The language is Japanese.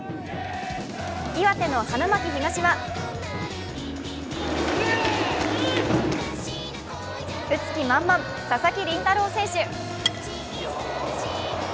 岩手の花巻東は打つ気満々、佐々木麟太郎選手。